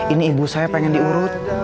ini ibu saya pengen di urut